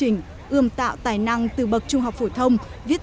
ngay từ bậc trung học phổ thông